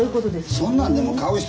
そんなんでも買う人